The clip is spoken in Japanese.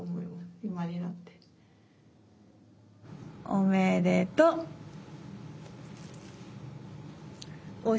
おめでとう。